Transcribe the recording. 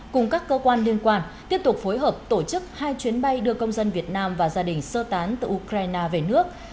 cùng các cơ quan liên quan tiếp tục phối hợp tổ chức hai chuyến bay đưa công dân việt nam và gia đình sơ tán từ ukraine về nước